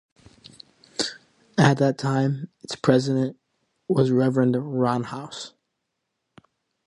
At that time, its president was Reverend Ronn Haus.